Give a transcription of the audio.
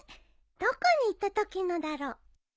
どこに行ったときのだろ。